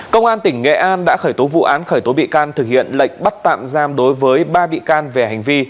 công an tỉnh nghệ an đã khởi tố vụ án khởi tố bị can thực hiện lệnh bắt tạm giam đối với ba bị can về hành vi